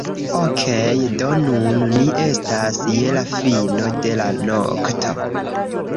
Okej' do nun ni estas je la fino de la nokto